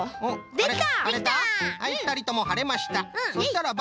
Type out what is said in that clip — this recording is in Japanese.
できた！